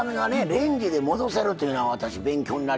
レンジで戻せるというのが私勉強になりました。